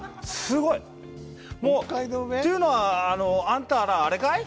「っていうのはあんたらあれかい？」